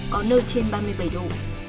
có nơi trên ba mươi bảy độ